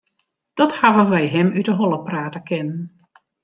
Dat hawwe wy him út 'e holle prate kinnen.